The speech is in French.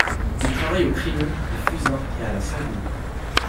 Il travaille au crayon, au fusain et à la sanguine.